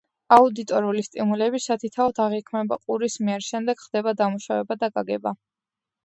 აუდიტორული სტიმულები სათითაოდ აღიქმება ყურის მიერ, შემდეგ ხდება დამუშავება და გაგება.